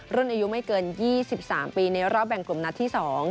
รุ่นอายุไม่เกิน๒๓ปีในรอบแบ่งกลุ่มนัดที่๒